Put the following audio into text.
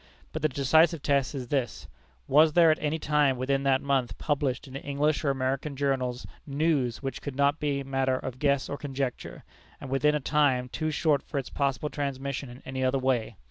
But the decisive test is this: Was there at any time within that month published in the English or American journals news which could not be matter of guess or conjecture, and within a time too short for its possible transmission in any other way?